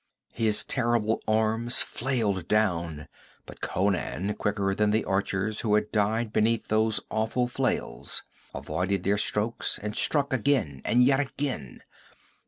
His terrible arms flailed down, but Conan, quicker than the archers who had died beneath those awful flails, avoided their strokes and struck again and yet again.